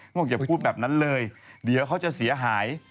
บอกอย่าพูดแบบนั้นเลยเดี๋ยวเขาจะเสียหาย